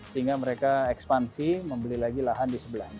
sehingga mereka ekspansi membeli lagi lahan di sebelahnya